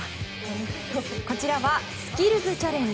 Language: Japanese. こちらはスキルズチャレンジ。